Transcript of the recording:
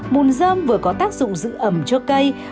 mùn dơm vừa có tác dụng giữ ẩm cho cây